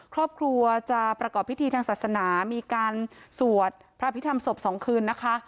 ครอบครัวจะประกอบพิธีทางศาสนามีการสวดพระพิธรรมศพ๒คืนนะคะ